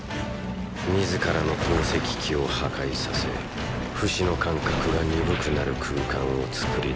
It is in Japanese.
自らの投石機を破壊させフシの感覚が鈍くなる空間を作り出したのだ。